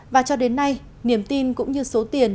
và cho đến nay niềm tin cũng như số tiền